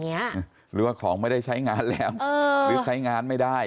หรือว่าของไม่ได้ใช้งานแล้วหรือใช้งานไม่ได้